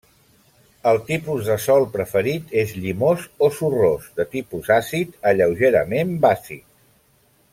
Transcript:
El tipus de sol preferit és llimós o sorrós, de tipus àcid a lleugerament bàsic.